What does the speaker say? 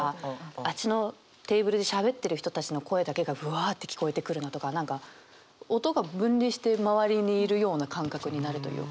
あっちのテーブルでしゃべってる人たちの声だけがぶわって聞こえてくるなとか何か音が分離して周りにいるような感覚になるというか。